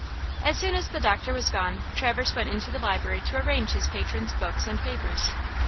As soon as the doctor was gone, Traverse went into the library to arrange his patron's books and papers.